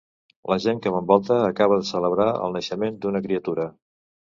La gent que m'envolta acaba de celebrar el naixement d'una criatura.